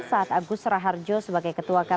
saat agus raharjo sebagai ketua kpk